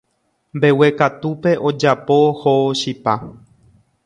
Mbeguekatúpe ojapo ohóvo chipa.